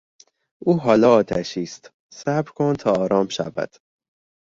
او حالا آتشی است، صبر کن تا آرام شود.